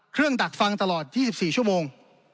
เครื่องดักฟังตลอด๒๔ชั่วโมง